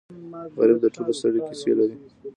غریب د ټولو ستړې کیسې لري